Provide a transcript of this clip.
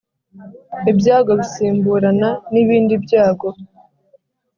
Ibyago bisimburana n’ibindi byago